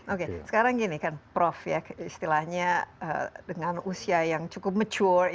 oke sekarang gini kan prof ya istilahnya dengan usia yang cukup mature